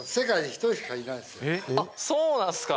あっそうなんすか？